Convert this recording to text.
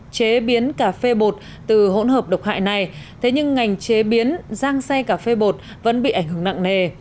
chế biến cà phê bột từ hỗn hợp độc hại này thế nhưng ngành chế biến giang xay cà phê bột vẫn bị ảnh hưởng nặng nề